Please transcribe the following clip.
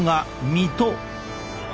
水戸？